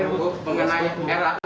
bu mengenai rau itu